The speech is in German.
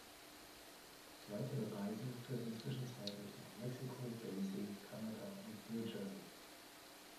Weitere Reisen führten zwischenzeitlich nach Mexiko, Belize, Kanada und New Jersey.